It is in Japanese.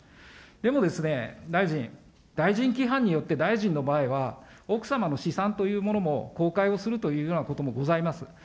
でもですね、大臣、大臣規範によって、大臣の場合は、奥様の資産というものも公開をするというようなこともございます。